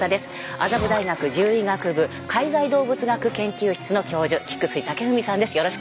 麻布大学獣医学部介在動物学研究室の教授菊水建史さんです。